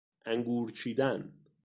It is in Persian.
انگور چیدن